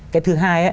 cái thứ hai